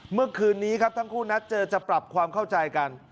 เมื่อคืนนี้ครับทั้งคู่นัดเจอจะปรับความเข้าใจกัน